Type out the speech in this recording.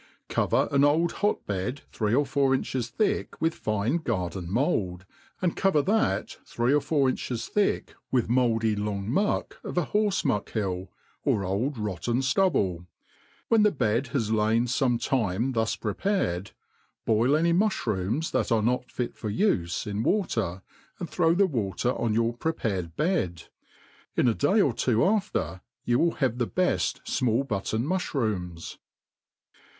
COVER an old hot bed three or four inches thick wit^ fine earden mould, and cover that three or four inches thick' •with mouldy long muck, of a horfe muck hill, or old rottep ftubble ; when the bed has lain fome time thus prepared, boil any muflirooms that are not fit for ufe, in water, and throvr the water 6a your prepared bed ; in a day or two after,, you will have thf beft AmII button muihrooms.